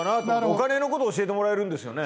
お金のことを教えてもらえるんですよね？